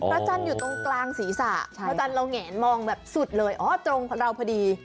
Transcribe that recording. จันทร์อยู่ตรงกลางศีรษะพระจันทร์เราแงนมองแบบสุดเลยอ๋อตรงกับเราพอดี